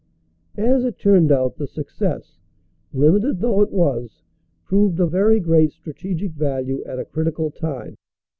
As it turned out, the success, limited though it was, proved of very great strategic value at a critical time.